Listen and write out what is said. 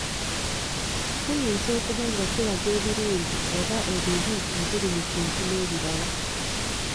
Kuyinza okuba nga kulaga ebirungi oba ebibi ebiri mu kintu n’ebirala.